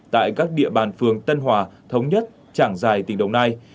tại các địa bàn phường tân hòa thống nhất trảng giài tỉnh đồng nai